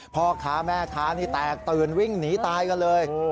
พ่อค้าแม่ค้านี่แตกตื่นวิ่งหนีตายกันเลย